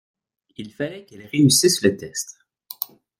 Il fallait qu’elle réussisse le test.